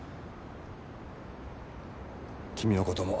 君のことも。